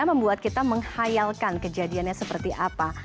membuat kita menghayalkan kejadiannya seperti apa